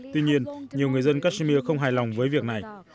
tuy nhiên nhiều người dân kashmir không hài lòng với việc này